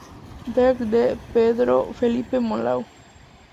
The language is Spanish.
Dr. D. Pedro Felipe Monlau.